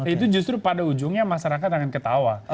itu justru pada ujungnya masyarakat akan ketawa